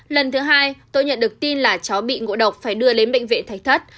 lần thứ hai tôi nhận được tin là cháu bị ngộ độc phải đưa lên bệnh viện thách thất